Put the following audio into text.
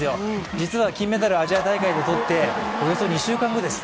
実は金メダル、アジア大会でとって、およそ２週間後です。